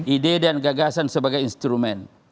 ide dan gagasan sebagai instrumen